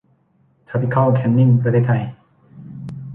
ทรอปิคอลแคนนิ่ง ประเทศไทย